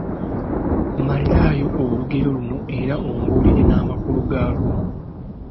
Mmaliraayo olugero luno era ombuulire n’amakulu gaalwo.